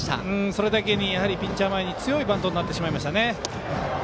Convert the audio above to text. それだけにピッチャー前に強いバントになってしまいました。